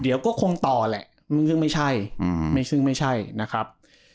เดี๋ยวก็คงต่อแหละซึ่งไม่ใช่ไม่ซึ่งไม่ใช่นะครับ